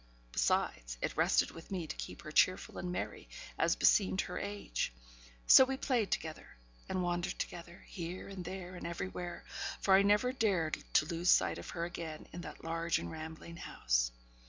Besides, it rested with me to keep her cheerful and merry, as beseemed her age. So we played together, and wandered together, here and there, and everywhere; for I never dared to lose sight of her again in that large and rambling house.